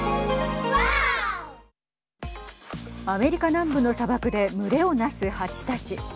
アメリカ南部の砂漠で群れをなす蜂たち。